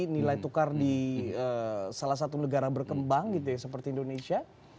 nilai tukar di salah satu negara berkembang gitu ya seperti indonesia